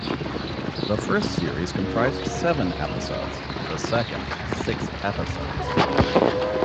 The first series comprised seven episodes, the second six episodes.